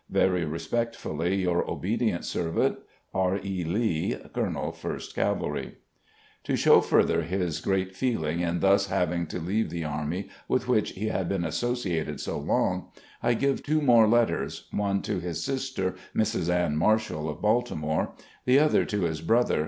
"Very respectfully your obedient servant, "R. E. Lee, "Colonel First Cavalry," To show further his great feeling in thus having to leave the army with which he had been associated so long, I give two more letters, one to his sister, Mrs. Anne Marshall, of Baltimore, the other to his brother.